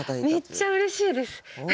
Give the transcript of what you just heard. めっちゃうれしいですえへへへ。